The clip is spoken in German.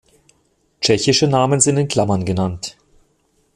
Tschechische Namen sind in Klammern genannt.